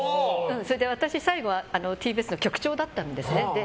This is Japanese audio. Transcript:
私、最後はＴＢＳの局長だったんですね。